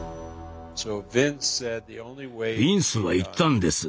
ビンスは言ったんです。